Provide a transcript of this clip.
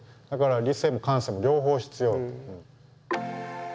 だから理性も感性も両方必要。